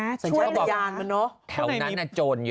ส่วนเช้าบอกว่าแถวนั้นน่ะโจรเยอะ